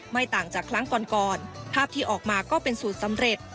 ต่างจากครั้งก่อนก่อนภาพที่ออกมาก็เป็นสูตรสำเร็จ